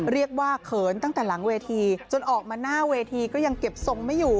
เขินตั้งแต่หลังเวทีจนออกมาหน้าเวทีก็ยังเก็บทรงไม่อยู่